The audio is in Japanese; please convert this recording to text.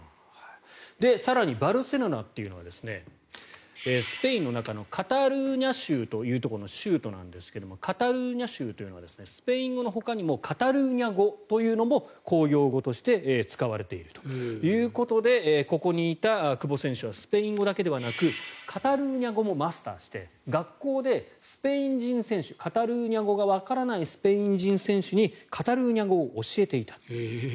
更にバルセロナっていうのはスペインの中のカタルーニャ州というところの州都なんですがカタルーニャ州というのはスペイン語のほかにもカタルーニャ語というのも公用語として使われているということでここにいた久保選手はスペイン語だけじゃなくてカタルーニャ語もマスターして学校でスペイン人選手カタルーニャ語がわからないスペイン人選手にカタルーニャ語を教えていたと。